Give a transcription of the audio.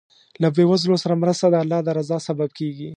له بېوزلو سره مرسته د الله د رضا سبب کېږي.